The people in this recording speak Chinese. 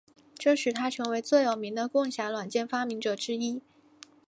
这使他成为最有名的共享软件发明者之一。